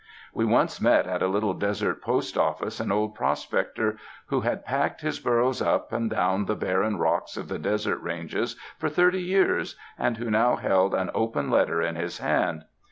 We once met at a little desert post office an old prospector who had ''packed" his burros up and down the barren rocks of the desert ranges for thirty years and who now held an open letter in his hand.